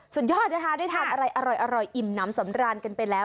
สุดยอดนะคะได้ทานอะไรอร่อยอิ่มน้ำสำราญกันไปแล้ว